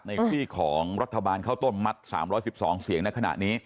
ที่ของรัฐบาลข้าวต้มมัด๓๑๒เสียงในขณะนี้